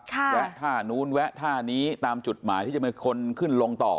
แวะท่านู้นแวะท่านี้ตามจุดหมายที่จะมีคนขึ้นลงต่อ